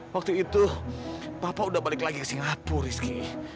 waktu itu papa udah balik lagi ke singapura rizky